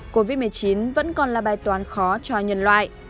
covid một mươi chín vẫn còn là bài toán khó cho nhân loại